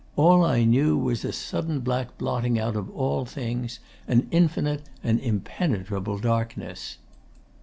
All I knew was a sudden black blotting out of all things; an infinite and impenetrable darkness.